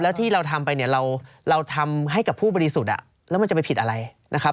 แล้วที่เราทำไปเนี่ยเราทำให้กับผู้บริสุทธิ์แล้วมันจะไปผิดอะไรนะครับ